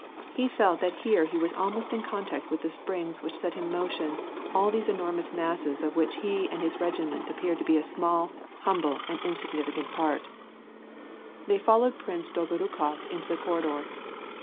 He felt that here he was almost in oontact with the springs which set in motion all these enor mous masses of which he and his regiment appeared to be a small, humble, and insignificant part. VOL. 1.— 20. 306 nrAtt AND PEACE. They followed Prince Dolgonikof into the corridor.